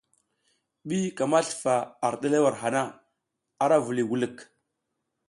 Ɓi ka mi slufa ar ɗerewel na, ara vuliy wulik.